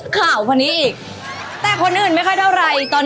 ขาวัวทำอะไรมาก่อน